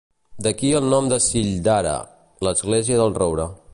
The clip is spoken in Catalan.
D'aquí el nom de Cill Dara, l'església del roure.